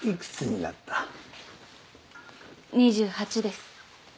２８です。